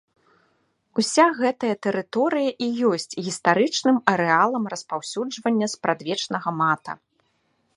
Уся гэтая тэрыторыя і ёсць гістарычным арэалам распаўсюджвання спрадвечнага мата.